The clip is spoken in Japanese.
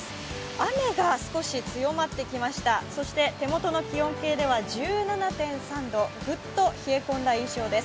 雨が少し強まってきました、手元の気温計では１７．３度、グッと冷え込んだ印象です。